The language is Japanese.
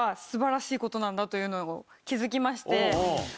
ことなんだというのを気付きまして。